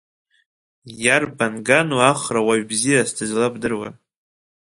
Иарбан гану Ахра уаҩ бзиас дызлабдыруа?